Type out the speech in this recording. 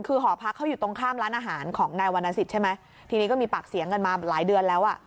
คือหอพักเขาอยู่ตรงข้ามร้านอาหารของนายวรรณสิทธิ์ใช่ไหมทีนี้ก็มีปากเสียงกันมาหลายเดือนแล้วอ่ะ